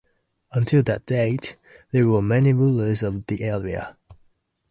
Until that date, there were many rulers of the area.